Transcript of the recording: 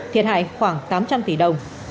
thiệt hại khoảng tám trăm linh tỷ đồng